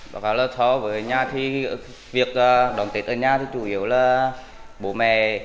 với nhà thì việc đón tết ở nhà thì chủ yếu là bố mẹ